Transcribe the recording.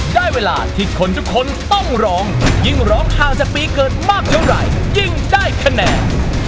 ได้เวลาที่คนทุกคนต้องร้องยิ่งร้องห่างจากปีเกิดมากเท่าไหร่ยิ่งได้คะแนน